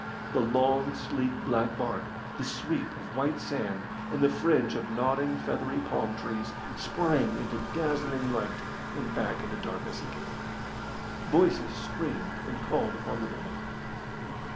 The long, sleek, black barque, the sweep of white sand, and the fringe of nodding feathery palm trees sprang into dazzling light and back into darkness again. Voices screamed and called upon the bay.